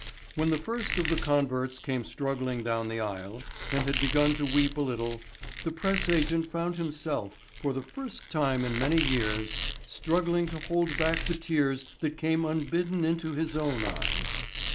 When the first of the converts came struggling down the aisle and had begun to weep a little, the press agent found himself, for the first time in many years, struggling to hold back the tears that came unbidden into his own eyes.